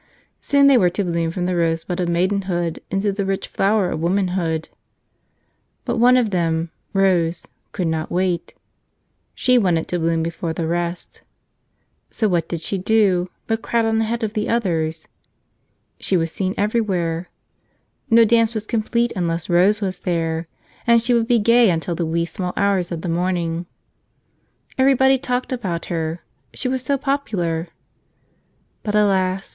Soon they were to bloom from the rosebud of maidenhood into the rich flower of womanhood. But one of them, Rose, could not wait; she wanted to bloom before the rest. So what did she do but crowd on ahead of the others. She was seen everywhere; no dance was complete un¬ less Rose was there; and she would be gay until the 34 How a Little Rose Died wee small hours of the morning. Everybody talked about her; she was so popular. But alas!